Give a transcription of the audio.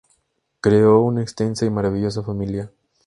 Creó una extensa y maravillosa familia.